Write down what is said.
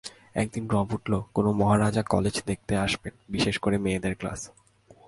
একদিন রব উঠল কোনো মহারাজা কলেজ দেখতে আসবেন, বিশেষ করে মেয়েদের ক্লাস।